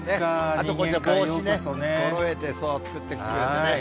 あと帽子ね、そろえて作ってきてくれてね。